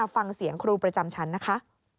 ฟังเสียงครูประจำชั้นนะคะ